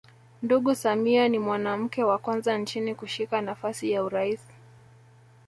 Ndugu Samia ni mwanamke wa kwanza nchini kushika nafasi ya urais